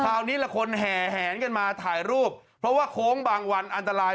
ละคนแห่แหนกันมาถ่ายรูปเพราะว่าโค้งบางวันอันตราย